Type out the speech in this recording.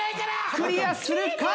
クリアするか？